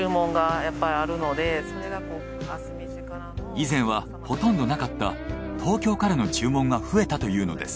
以前はほとんどなかった東京からの注文が増えたというのです。